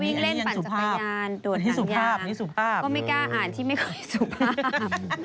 วิ่งเล่นปั่นจักรยานโดดทางยาก็ไม่กล้าอ่านที่ไม่ค่อยสุภาพ